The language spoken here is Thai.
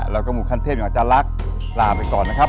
แล้วก็หมู่ขั้นเทพอย่างอาจารย์ลักษณ์ลาไปก่อนนะครับ